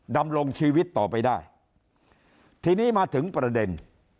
ดำรงชีวิตต่อไปได้ทีนี้มาถึงประเด็น